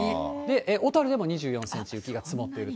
小樽でも２４センチ雪が積もっていると。